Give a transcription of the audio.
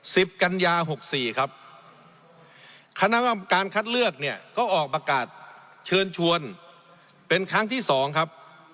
กันยาหกสี่ครับคณะกรรมการคัดเลือกเนี่ยก็ออกประกาศเชิญชวนเป็นครั้งที่สองครับ